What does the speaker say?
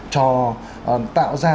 trò tạo ra